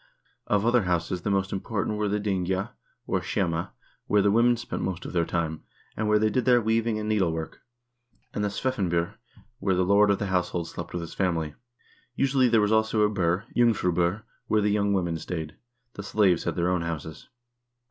Of other houses the most important were the dyngja, or skemma, where the women spent most of their time, and where they did their weaving and needlework, and the svefnbur, where the lord of the household slept with his family. Usually there was also a bur, jungfrubur, where the young women stayed. The slaves had their own houses.